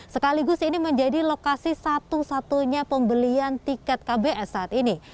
sekaligus ini menjadi lokasi satu satunya pembelian tiket kbs saat ini